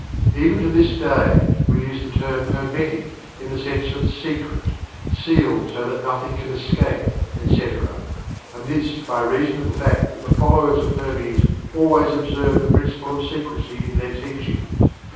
Even to this day, we use the term "hermetic" in the sense of "secret"; "sealed so that nothing can escape"; etc., and this by reason of the fact that the followers of Hermes always observed the principle of secrecy in their teachings.